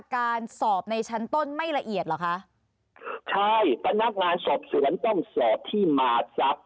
การสอบในชั้นต้นไม่ละเอียดเหรอคะใช่พนักงานสอบสวนต้องสอบที่มาทรัพย